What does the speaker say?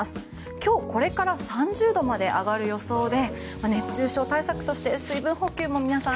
今日これから３０度まで上がる予想で熱中症対策として水分補給も皆さん